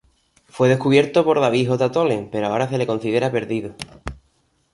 Fue descubierto por David J. Tholen, pero ahora se lo considera perdido.